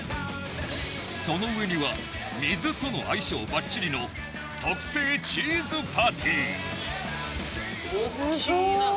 その上には水との相性バッチリの特製チーズパティ。